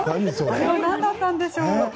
あれは何だったんでしょう。